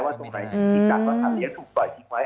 ว่าตรงไหนที่กัดว่าทันเลี้ยงถูกปล่อยทิ้งไว้